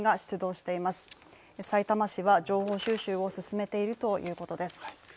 さいたま市は情報収集を進めているということです。